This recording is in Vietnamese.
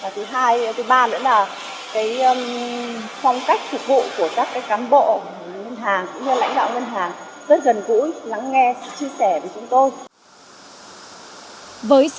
tuy nhiên là phong cách cơ chế thực vụ khá là linh hoạt